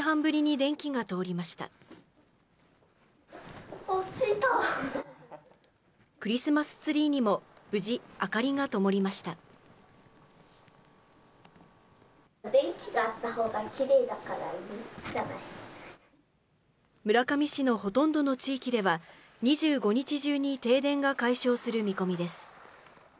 電気があったほうが、きれい村上市のほとんどの地域では、２５日中に停電が解消する見込みです。